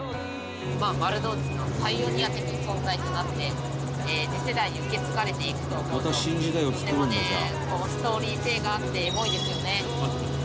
まあ丸の内のパイオニア的存在となって次世代に受け継がれていくと思うととてもねストーリー性があってエモいですよね。